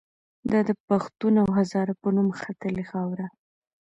دا د پښتون او هزاره په نوم ختلې خاوره